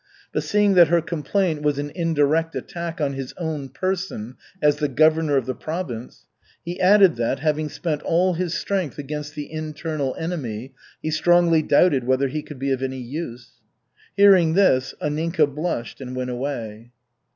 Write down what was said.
But seeing that her complaint was an indirect attack on his own person as the governor of the province, he added that, having spent all his strength against the internal enemy, he strongly doubted whether he could be of any use. Hearing this, Anninka blushed and went away.